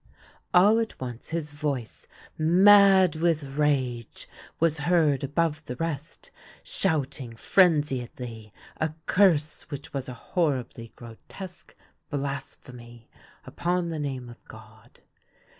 All at once his voice, mad with rage, was heard above the rest, shouting frenziedly a curse which was a horribly grotesque blasphemy upon the name of God.